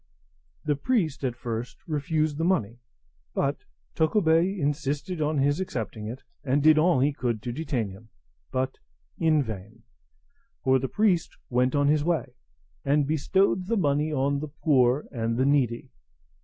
The priest at first refused the money; but Tokubei insisted on his accepting it, and did all he could to detain him, but in vain; for the priest went on his way, and bestowed the money on the poor and needy.